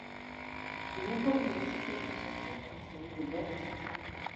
De nombreux critiques qualifièrent Take Control de bon titre.